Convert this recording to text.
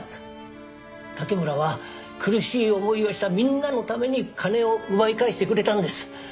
竹村は苦しい思いをしたみんなのために金を奪い返してくれたんです。